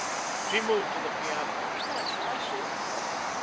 She moved to the piano. "What shall I sing?"